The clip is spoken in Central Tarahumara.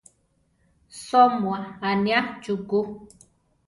Soʼmúa aniá chukú.